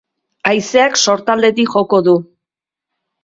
Haizeak sortaldetik joko du.